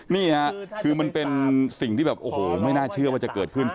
นี่ค่ะคือมันเป็นสิ่งที่แบบโอ้โหไม่น่าเชื่อว่าจะเกิดขึ้น